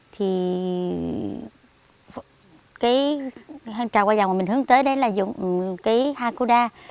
thì trào hoa vàng mà mình hướng tới là vùng hakuda